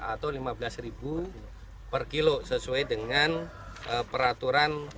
atau lima belas ribu per kilo sesuai dengan peraturan